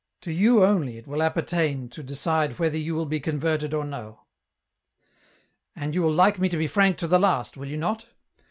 To you only it will appertain to decide whether you will be converted or no. " And you will like me to be frank to the last, will you not